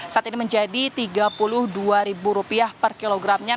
saat ini menjadi rp tiga puluh dua per kilogramnya